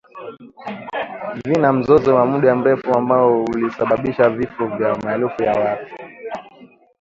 Zina mzozo wa muda mrefu ambao ulisababisha vifo vya maelfu ya watu